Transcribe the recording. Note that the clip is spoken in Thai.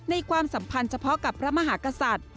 ความสัมพันธ์เฉพาะกับพระมหากษัตริย์